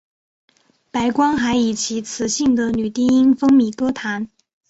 白光还以其磁性的女低音风靡歌坛。